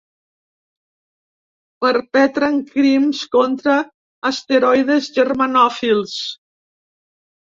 Perpetren crims contra asteroides germanòfils.